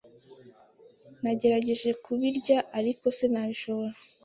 Nagerageje kubirya, ariko sinabishobora.